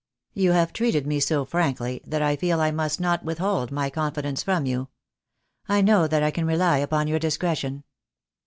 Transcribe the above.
"You have treated me so frankly that I feel I must not withhold my confidence from you. I know that I can rely upon your discretion."